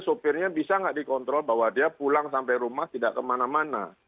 sopirnya bisa nggak dikontrol bahwa dia pulang sampai rumah tidak kemana mana